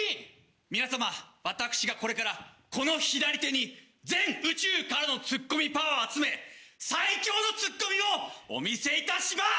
皆さま私がこれからこの左手に全宇宙からのツッコミパワーを集め最強のツッコミをお見せいたします！